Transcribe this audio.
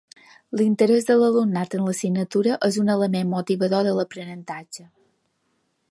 L'interès de l'alumnat en l'assignatura és un element motivador de l'aprenentatge.